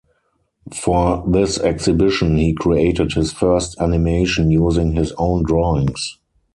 For this exhibition, he created his first animation using his own drawings.